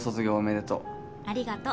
ありがとう。